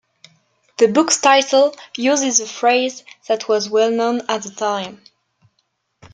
The book's title uses a phrase that was well-known at the time.